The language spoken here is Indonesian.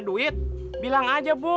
duit bilang aja bu